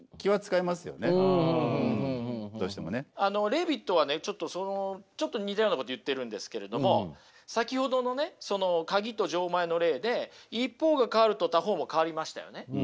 レーヴィットはねちょっと似たようなことを言っているんですけれども先ほどのねカギと錠前の例で一方が変わると他方も変わりましたよね。